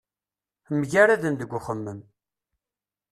Mgaraden deg uxemmem.